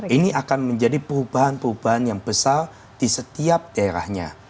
ini akan menjadi perubahan perubahan yang besar di setiap daerahnya